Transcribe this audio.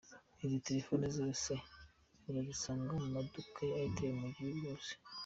Izi telefone zose urazisanga mu maduka ya Itel mu gihugu hose.